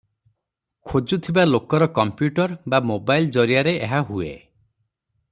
ଖୋଜୁଥିବା ଲୋକର କମ୍ପ୍ୟୁଟର ବା ମୋବାଇଲ ଜରିଆରେ ଏହା ହୁଏ ।